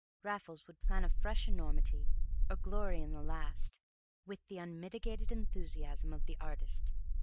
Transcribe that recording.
Raffles would plan a fresh enormity, or glory in the last, with the unmitigated enthusiasm of the artist.